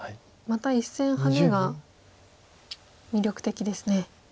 また１線ハネが魅力的ですね。